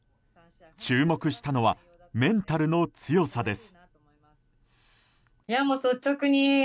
注目したのはメンタルの強さです。